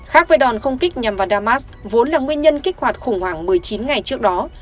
khác với đòn không kích nhằm vào damas vốn là nguyên nhân kích hoạt khủng hoảng một mươi chín ngày trước đó